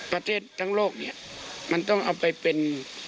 ประเทศทั้งโลกเนี่ยมันต้องเอาไปเป็น